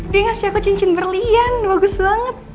dia ngasih aku cincin berlian bagus banget